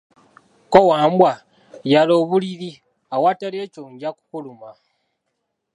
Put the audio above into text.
Ko Wambwa, yala obuliri, awatali ekyo nja kukuluma.